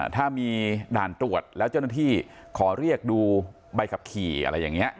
ถ้ามีด่านตรวจแล้วเจ้าหน้าที่ขอเรียกดูใบขับขี่อะไรอย่างนี้